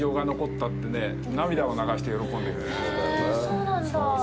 そうなんだ。